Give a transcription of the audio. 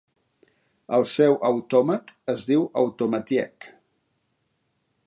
El seu autòmat es diu "automatiek".